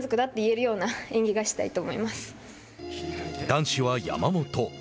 男子は山本。